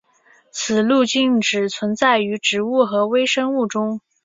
此路径只存在于植物和微生物中。